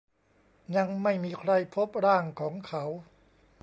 ยังไม่มีใครพบร่างของเขา